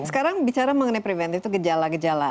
sekarang bicara mengenai preventif itu gejala gejala